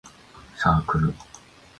サークル